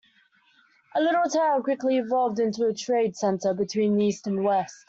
The little town quickly evolved into a trade center between east and west.